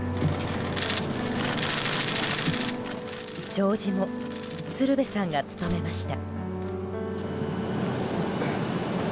弔辞も鶴瓶さんが務めました。